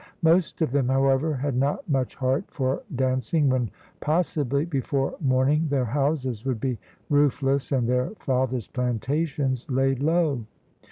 Most of them, however, had not much heart for dancing, when, possibly, before morning their houses would be roofless and their fathers' plantations laid low.